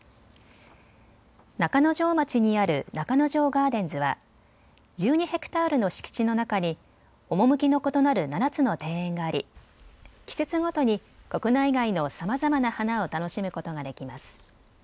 中之条町にある中之条ガーデンズは１２ｈａの敷地の中に趣の異なる７つの庭園があり季節ごとに国内外のさまざまな花を楽しむことができます。